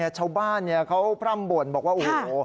ชาวบ้านเขาพร่ำบ่นบอกว่าโอ้โห